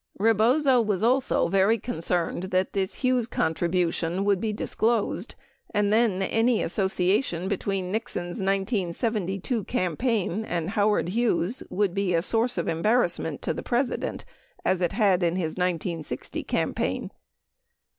13 Rebozo was also very concerned that this Hughes contribution would be disclosed and then any association between Nixon's 1972 campaign and Howard Hughes would be a source of embarrassment to the President as it had in his 1960 campaign.